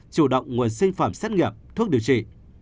chủ động nguồn sinh phẩm xét nghiệm thuốc điều trị